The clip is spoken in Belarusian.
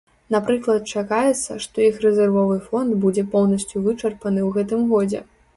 Напрыклад, чакаецца, што іх рэзервовы фонд будзе поўнасцю вычарпаны ў гэтым годзе.